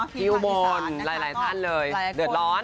พิมพ์ประธิษฐานหลายท่านเลยเดือดร้อน